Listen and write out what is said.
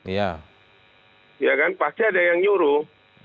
ya kan pasti ada yang nyuruh